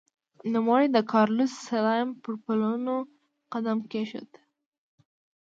نوموړي د کارلوس سلایم پر پلونو قدم کېښود.